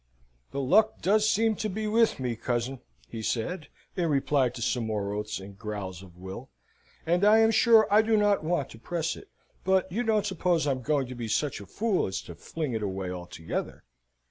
"The luck does seem to be with me, cousin," he said, in reply to some more oaths and growls of Will, "and I am sure I do not want to press it; but you don't suppose I'm going to be such a fool as to fling it away altogether?